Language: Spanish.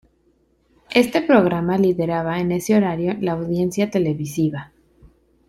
Este programa lideraba en ese horario la audiencia televisiva.